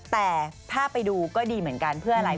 แต่ถ้าไปดูก็ดีเหมือนกันเพื่ออะไร